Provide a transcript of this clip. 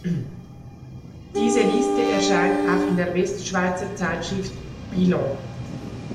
Diese Liste erscheint auch in der Westschweizer Zeitschrift "Bilan".